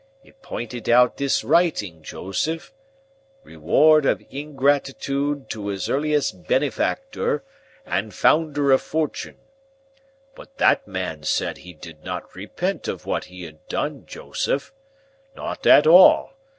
It pinted out this writing, Joseph. Reward of ingratitoode to his earliest benefactor, and founder of fortun's. But that man said he did not repent of what he had done, Joseph. Not at all.